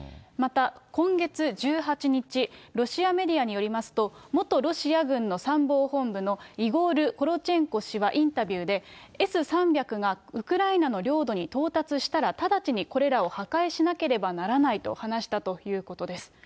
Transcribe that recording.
また今月１８日、ロシアメディアによりますと、元ロシア軍の参謀本部のイゴール・コロチェンコ氏はインタビューで、Ｓー３００がウクライナの領土に到達したら直ちにこれらを破壊しなければならないと話したということです。